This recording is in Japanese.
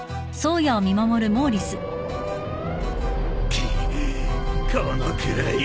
くっこのくらい！